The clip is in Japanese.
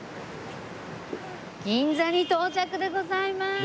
銀座に到着でございまーす！